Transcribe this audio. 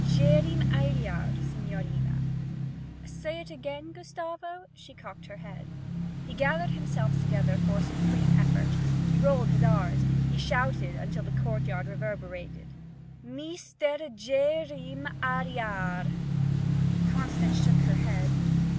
'Jayreem Ailyar, signorina.' 'Say it again, Gustavo.' She cocked her head. He gathered himself together for a supreme effort. He rolled his r's; he shouted until the courtyard reverberated. 'Meestair r Jay r reem Ailyar r!' Constance shook her head.